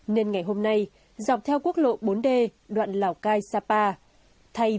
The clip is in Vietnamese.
nên ngày hôm nay dọc theo quốc lộ bốn d đoạn lào cai sapa thay